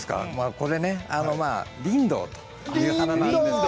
これはリンドウという花なんです。